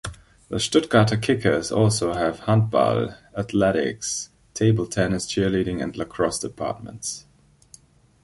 The "Stuttgarter Kickers" also have handball, athletics, table tennis, cheerleading, and Lacrosse departments.